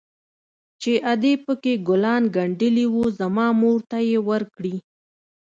چې ادې پكښې ګلان ګنډلي وو زما مور ته يې وركړي.